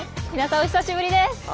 皆さんお久しぶりです。